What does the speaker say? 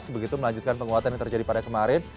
begitu melanjutkan penguatan yang terjadi pada kemarin